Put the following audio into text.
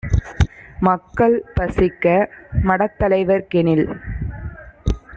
மக்கள் பசிக்க மடத்தலைவர்க் கெனில்